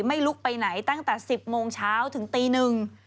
ไม่ลุกไปไหนตั้งแต่๑๐โมงเช้าถึงตีหนึ่ง